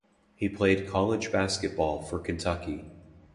He played college basketball for Kentucky.